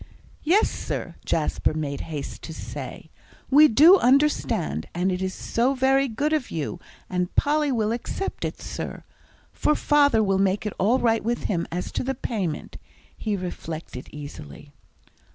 "Yes, sir," Jasper made haste to say. "We do understand; and it is so very good of you, and Polly will accept it, sir." "For father will make it all right with him as to the payment," he reflected easily.